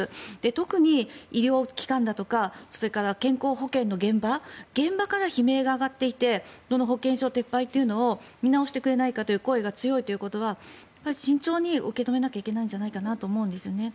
特に医療機関だとか健康保険の現場現場から悲鳴が上がっていて保険証撤廃というのを見直してくれないかという声が強いということは慎重に受け止めないといけないと思います。